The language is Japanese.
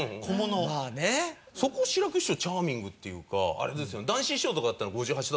そこは志らく師匠チャーミングっていうかあれですよ。